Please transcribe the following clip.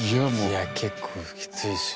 いや結構きついですよ。